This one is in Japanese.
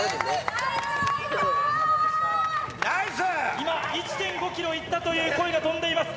今、１．５キロいったという声が飛んでいます。